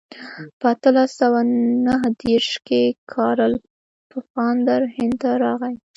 په اتلس سوه نهه دېرش کې کارل پفاندر هند ته راغی.